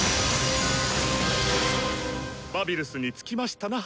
バビルスに着きましたな！